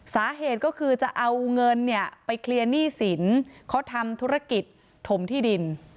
สาเหตุก็คือจะเอาเงินเนี่ยไปเคลียร์หนี้สินเขาทำธุรกิจถมที่ดิน